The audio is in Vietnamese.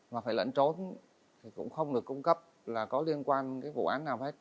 mà phải lẫn trốn thì cũng không được cung cấp là có liên quan cái vụ án nào hết